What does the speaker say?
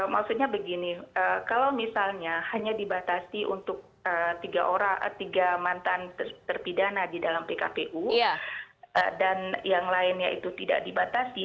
maksudnya begini kalau misalnya hanya dibatasi untuk tiga mantan terpidana di dalam pkpu dan yang lainnya itu tidak dibatasi